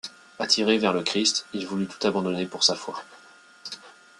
Attiré vers le Christ, il voulut tout abandonné pour sa foi.